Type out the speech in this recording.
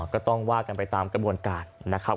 ก็ต้องว่ากันไปตามกระบวนการนะครับ